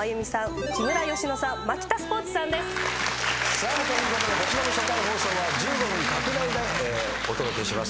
さあということでこちらの初回放送は１５分拡大でお届けします。